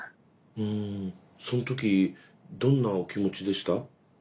うんその時どんなお気持ちでした？